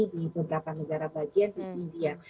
di beberapa negara bagian di india